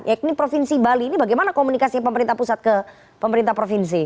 yakni provinsi bali ini bagaimana komunikasi pemerintah pusat ke pemerintah provinsi